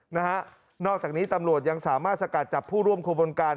นอกจากนี้ตำรวจยังสามารถสกัดจับผู้ร่วมขบวนการ